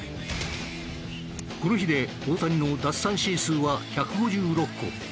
この日で大谷の奪三振数は１５６個。